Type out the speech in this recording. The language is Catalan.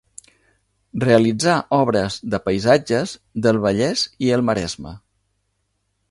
Realitzà obres de paisatges del Vallès i el Maresme.